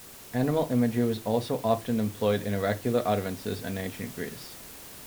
Animal imagery was also often employed in the oracular utterances in Ancient Greece.